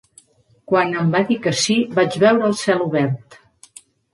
Quan em va dir que sí vaig veure el cel obert.